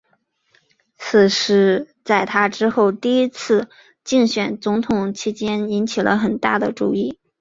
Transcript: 此事在他之后第一次竞选总统期间引起了很大的注意。